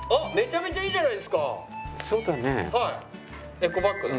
エコバッグだ。